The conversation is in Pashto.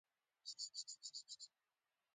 دې پراخې شخړې او بې ثباتۍ وزېږولې.